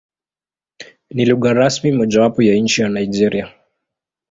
Ni lugha rasmi mojawapo ya nchi ya Nigeria.